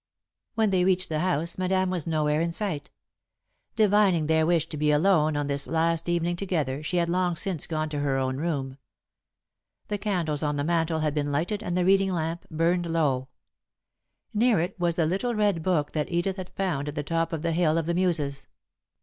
When they reached the house, Madame was nowhere in sight. Divining their wish to be alone on this last evening together, she had long since gone to her own room. The candles on the mantel had been lighted and the reading lamp burned low. Near it was the little red book that Edith had found at the top of the Hill of the Muses.